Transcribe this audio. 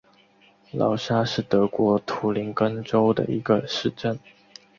劳沙是德国图林根州的一个市镇。